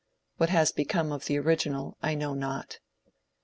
What has become of the original I know not.